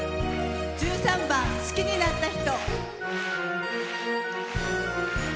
１３番「好きになった人」。